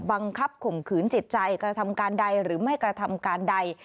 ข่มขืนจิตใจกระทำการใดหรือไม่กระทำการใด